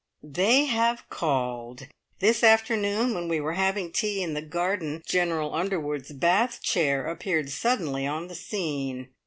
They have called! This afternoon, when we were having tea in the garden, General Underwood's bath chair appeared suddenly on the scene.